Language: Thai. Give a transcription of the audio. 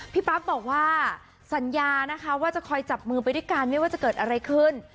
ปั๊บบอกว่าสัญญานะคะว่าจะคอยจับมือไปด้วยกันไม่ว่าจะเกิดอะไรขึ้น